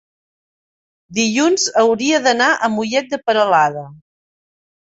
dilluns hauria d'anar a Mollet de Peralada.